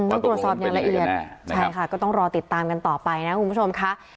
ต้องตรวจสอบอย่างละเอียดใช่ค่ะก็ต้องรอติดตามกันต่อไปนะคุณผู้ชมค่ะ